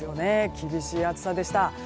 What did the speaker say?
厳しい暑さでした。